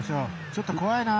ちょっと怖いな。